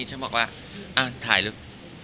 ฉันบอกว่าถ่ายรูป